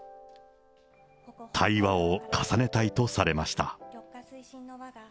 対話を重ねたいとされました。